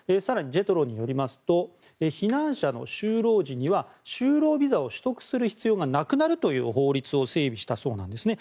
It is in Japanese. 更にＪＥＴＲＯによりますと避難者の就労時には就労ビザを取得する必要がなくなるという法律を整備したそうなんですね。